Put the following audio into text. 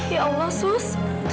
ya allah sus